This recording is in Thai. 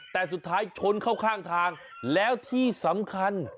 แต่สุดท้ายชนเข้าข้างทางแล้วที่สำคัญ